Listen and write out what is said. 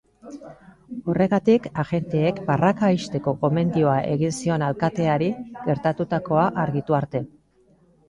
Horregatik, agenteek barraka ixteko gomendioa egin zion alkateari, gertatutakoa argitu arte.